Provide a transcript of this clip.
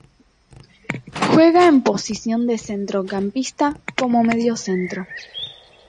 Juega en posición de centrocampista como mediocentro.